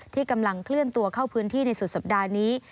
ที่กำลังเคลื่อนตัวเข้าพื้นที่ในสุดสัปดาห์นี้